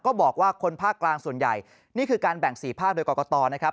บอกว่าคนภาคกลางส่วนใหญ่นี่คือการแบ่ง๔ภาคโดยกรกตนะครับ